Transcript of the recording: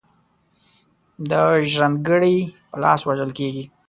د ژرند ګړي په لاس وژل کیږي.